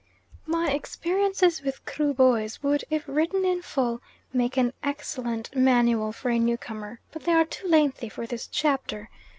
My experiences with Kruboys would, if written in full, make an excellent manual for a new comer, but they are too lengthy for this chapter.